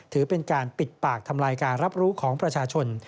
ถือเป็นการปิดปากทำลายการรับรู้ของประชาชน